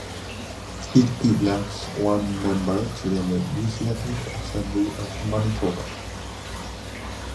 It elects one member to the Legislative Assembly of Manitoba.